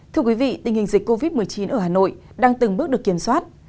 thưa quý vị tình hình dịch covid một mươi chín ở hà nội đang từng bước được kiểm soát